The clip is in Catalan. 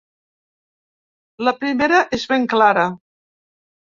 La primera és ben clara.